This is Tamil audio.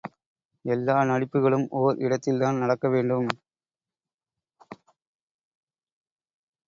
எல்லா நடிப்புக்களும் ஒர் இடத்தில்தான் நடக்க வேண்டும்.